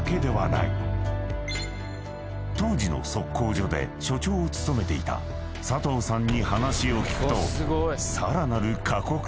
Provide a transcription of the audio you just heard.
［当時の測候所で所長を務めていた佐藤さんに話を聞くと］